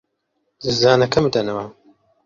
جزدانەکەم بدەنەوە.